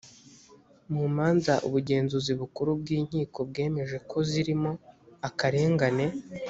mu manza ubugenzuzi bukuru bw inkiko bwemeje ko zirimo akarengane.